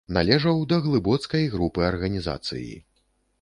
Належаў да глыбоцкай групы арганізацыі.